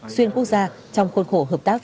xuyên quốc gia trong khuôn khổ hợp tác